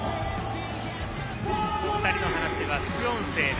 お二人の話は、副音声で。